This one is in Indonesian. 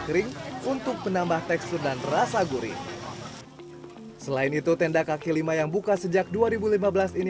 kering untuk menambah tekstur dan rasa gurih selain itu tenda kaki lima yang buka sejak dua ribu lima belas ini